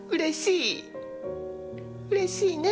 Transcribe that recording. うれしい。